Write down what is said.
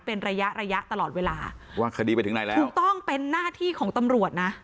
เป็นระยะระยะตลอดเวลาว่าคดีไปถึงไหนแล้วถูกต้องเป็นหน้าที่ของตำรวจนะ